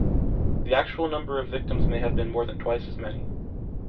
The actual number of victims may have been more than twice as many.